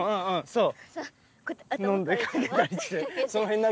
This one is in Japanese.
そう！